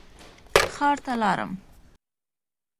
ښار ته لاړم.